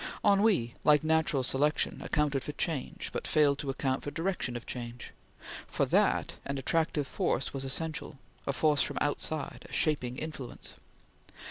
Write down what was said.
Ennui, like Natural Selection, accounted for change, but failed to account for direction of change. For that, an attractive force was essential; a force from outside; a shaping influence.